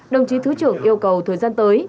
đồng chí thứ trưởng yêu cầu thời gian tới